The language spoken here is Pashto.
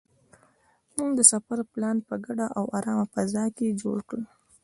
موږ د سفر پلان په ګډه او ارامه فضا کې جوړ کړ.